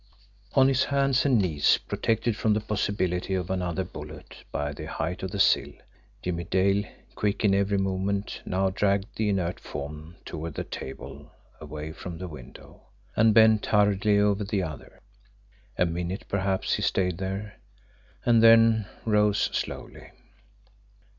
On his hands and knees, protected from the possibility of another bullet by the height of the sill, Jimmie Dale, quick in every movement now, dragged the inert form toward the table away from the window, and bent hurriedly over the other. A minute perhaps he stayed there and then rose slowly.